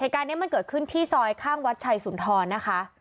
เหตุการณ์นี้มันเกิดขึ้นที่ซอยข้างวัดชัยสุนทรนะคะ